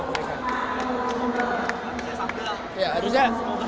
semoga senang juga